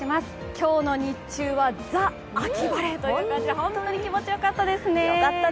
今日の日中はザ・秋晴れという感じで本当に気持ちよかったですね。